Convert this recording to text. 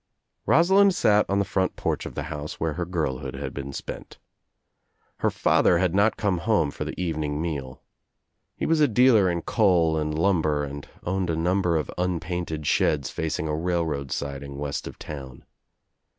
Rosalind sat on the front porch of the house where her girlhood had been spent. Her father had not come home for the evening meal. He was a dealer. in coal and lumber and owned a number of unpainted: sheds facing a railroad siding west of town.